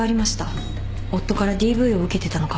夫からＤＶを受けてたのかも。